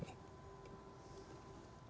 masyarakat punya beragam reaksi atas problem ini